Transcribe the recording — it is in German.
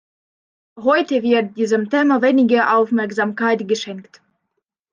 Heute wird diesem Thema weniger Aufmerksamkeit geschenkt.